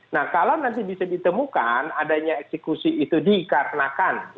nah kalau nanti bisa ditemukan adanya eksekusi itu dikarenakan